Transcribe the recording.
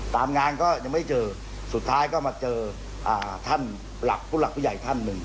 ตามงานก็ยังไม่เจอสุดท้ายก็มาเจอท่านหลักผู้หลักผู้ใหญ่ท่านหนึ่ง